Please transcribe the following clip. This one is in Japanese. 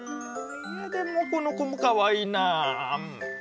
いやでもこの子もかわいいなあ。